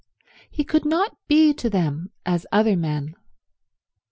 He could not be to them as other men.